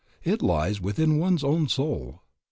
It lies within one's own soul.